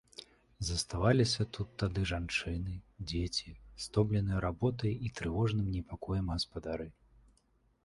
Заставаліся тут тады жанчыны, дзеці, стомленыя работай і трывожным непакоем гаспадары.